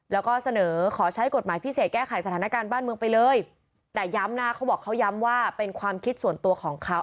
แล้วก็เสนอขอใช้กฎหมายพิเศษแก้ไขสถานการณ์บ้านเมืองไปเลยแต่ย้ำนะเขาบอกเขาย้ำว่าเป็นความคิดส่วนตัวของเขา